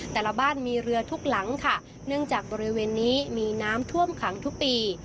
แต่ละบ้านมีเรือทุกหลังค่ะเนื่องจากบริเวณนี้มีน้ำท่วมขังทุกปี